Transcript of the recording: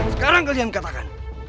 sekarang kalian katakan